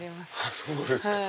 そうですか。